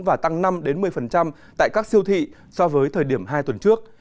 và tăng năm một mươi tại các siêu thị so với thời điểm hai tuần trước